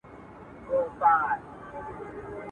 ما در وبخښل لس كاله نعمتونه.